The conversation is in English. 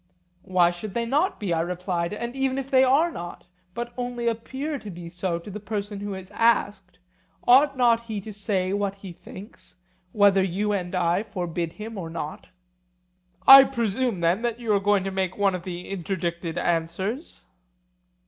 Why should they not be? I replied; and even if they are not, but only appear to be so to the person who is asked, ought he not to say what he thinks, whether you and I forbid him or not? I presume then that you are going to make one of the interdicted answers?